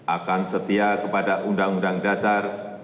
akan setia kepada undang undang dasar